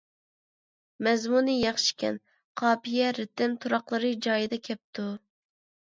مەزمۇنى ياخشىكەن. قاپىيە، رىتىم، تۇراقلىرى جايىدا كەپتۇ.